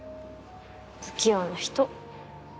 不器用な人。